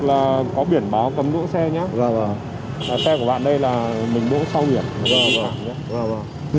là có biển báo cấm đỗ xe nhé